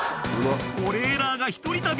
トレーラーが１人旅！